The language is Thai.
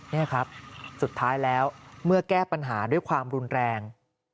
นี่ครับสุดท้ายแล้วเมื่อแก้ปัญหาด้วยความรุนแรง